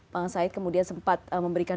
pak saed kemudian sempat memberikan